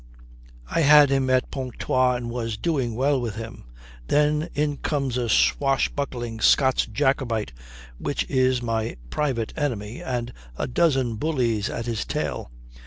I had him at Pontoise and was doing well with him. Then in comes a swashbuckling Scots Jacobite which is my private enemy, and a dozen bullies at his tail.